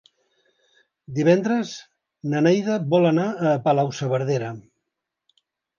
Divendres na Neida vol anar a Palau-saverdera.